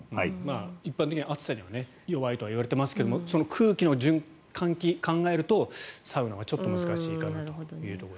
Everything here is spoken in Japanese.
一般的には熱さには弱いといわれていますがその空気の換気を考えるとサウナはちょっと難しいかなと。